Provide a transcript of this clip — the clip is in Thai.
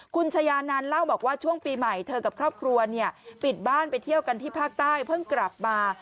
คุณชายานันเล่าบอกว่าช่วงปีใหม่เธอกับครอบครัวเนี่ยปิดบ้านไปเที่ยวกันที่ภาคใต้เพิ่งกลับมา